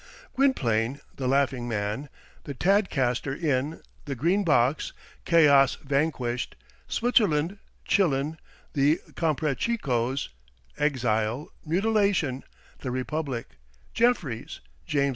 Gwynplaine, the Laughing Man; the Tadcaster Inn; the Green Box; "Chaos Vanquished;" Switzerland; Chillon; the Comprachicos; exile; mutilation; the Republic; Jeffreys; James II.